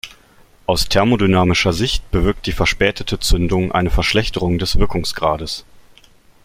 Aus thermodynamischer Sicht bewirkt die verspätete Zündung eine Verschlechterung des Wirkungsgrades.